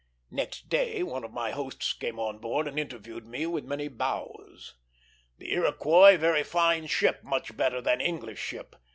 Next day one of my hosts came on board and interviewed me with many bows. "The Iroquois very fine ship, much better than English ship.